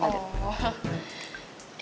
mama suruh penjaganya buat beli ini